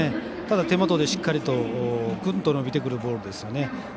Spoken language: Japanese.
ただ、手元でしっかりとぐんと伸びてくるボールですよね。